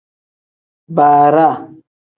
Baaraa.